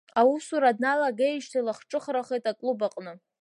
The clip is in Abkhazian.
Аусура дналагеижьҭеи лахҿыхрахеит аклуб аҟны.